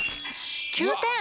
９点。